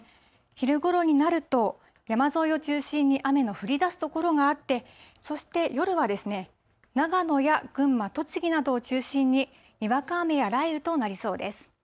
昼ごろになると、山沿いを中心に雨の降りだす所があって、そして夜は、長野や群馬、栃木などを中心に、にわか雨や雷雨となりそうです。